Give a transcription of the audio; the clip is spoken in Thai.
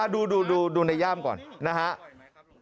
ดูในย่ามก่อนนะครับ